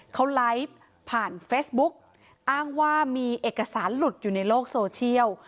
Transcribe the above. เขาไลฟ์ผ่านเฟซบุ๊กอ้างว่ามีเอกสารหลุดอยู่ในโลกโซเชียล